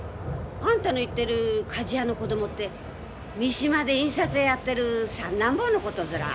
あんたの言ってるかじ屋の子供って三島で印刷屋やってる三男坊の事ずら？